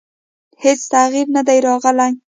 هېڅ تغییر نه دی راغلی.